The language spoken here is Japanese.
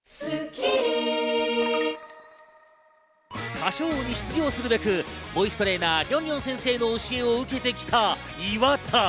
『歌唱王』に出場するべくボイストレーナー・りょんりょん先生の教えを受けてきた岩田。